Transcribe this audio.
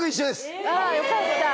よかった。